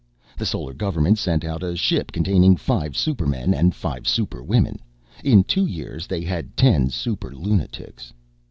The Solar Government sent out a ship containing five supermen and five superwomen. In two years, they had ten super lunatics.